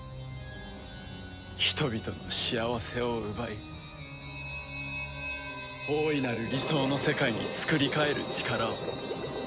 人々の幸せを奪い大いなる理想の世界につくり変える力を。